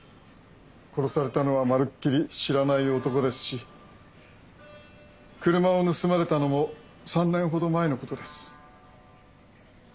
殺されたのはまるっきり知らない男ですし車を盗まれたのも３年ほど前のことです。